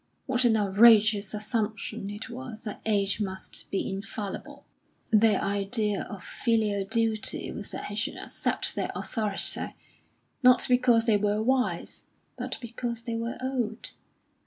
What an outrageous assumption it was that age must be infallible! Their idea of filial duty was that he should accept their authority, not because they were wise, but because they were old.